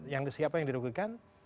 yang siapa yang dirugikan